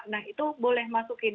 nah itu boleh masukin